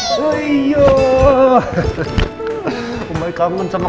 sini kok rambut kamu berantakan